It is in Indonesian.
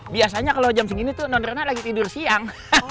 biasanya kalau jam segini tuh nondrena lagi tidur siang